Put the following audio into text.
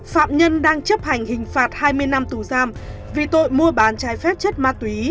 phạm nhân đang chấp hành hình phạt hai mươi năm tù giam vì tội mua bán trái phép chất ma túy